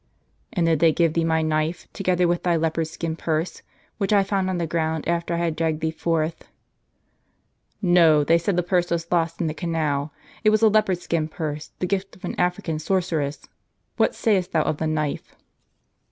"And did they give thee my knife, together with thy leopard skin purse, which I found on the ground, after I had dragged thee forth ?"" No ; they said the purse was lost in the canal. It tvas a leopard skin purse, the gift of an African sorceress. What sayest thou of the knife